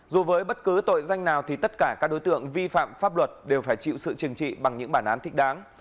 dù với bất cứ tội danh nào thì tất cả các đối tượng vi phạm pháp luật đều phải chịu sự trừng trị bằng những bản án thích đáng